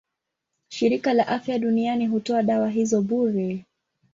Shirika la Afya Duniani hutoa dawa hizo bure.